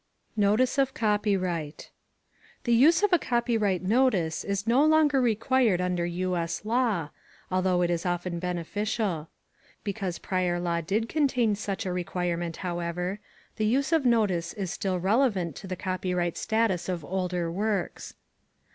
NOTICE OF COPYRIGHT The use of a copyright notice is no longer required under U. S. law, although it is often beneficial. Because prior law did contain such a requirement, however, the use of notice is still relevant to the copyright status of older works.